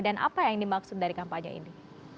dan apa yang dimaksud dari kampanye ini